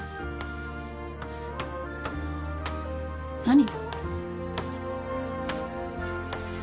何？